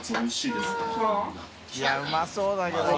いやうまそうだけど。